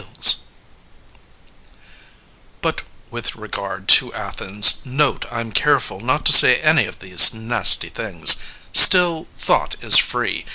] LYSISTRATA But with regard to Athens, note I'm careful Not to say any of these nasty things; Still, thought is free....